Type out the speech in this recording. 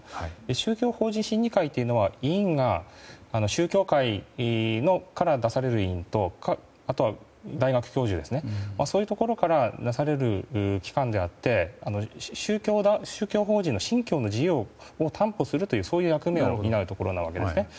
宗教法人審議会というのは委員が宗教界から出される委員と大学教授、そういうところから出される機関であって宗教法人の信教の自由を担保するという役目を担うわけですね。